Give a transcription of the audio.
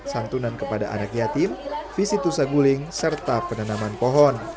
sangtunan kepada anak yatim visitusaguling serta penanaman pohon